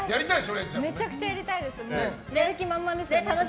めちゃくちゃやりたいです。